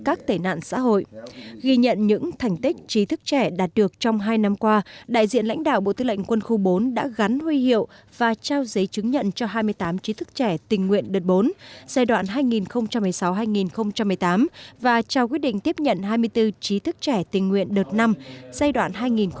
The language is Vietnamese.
các tệ nạn xã hội ghi nhận những thành tích trí thức trẻ đạt được trong hai năm qua đại diện lãnh đạo bộ tư lệnh quân khu bốn đã gắn huy hiệu và trao giấy chứng nhận cho hai mươi tám trí thức trẻ tình nguyện đợt bốn giai đoạn hai nghìn một mươi sáu hai nghìn một mươi tám và trao quyết định tiếp nhận hai mươi bốn trí thức trẻ tình nguyện đợt năm giai đoạn hai nghìn một mươi sáu hai nghìn một mươi tám